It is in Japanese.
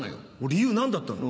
理由何だったの？